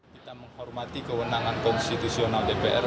kita menghormati kewenangan konstitusional dpr